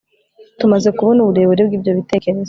tumaze kubona uburebure bw'ibyo bitekerezo